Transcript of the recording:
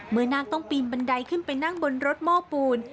เมื่อนางต้องปีนบันไดคืนไปนั่งบนรถม่อปูน